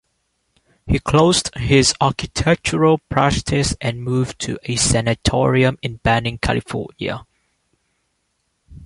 He closed his architectural practice and moved to a sanatorium in Banning, California.